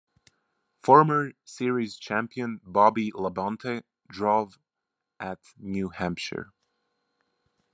Former series champion Bobby Labonte drove at New Hampshire.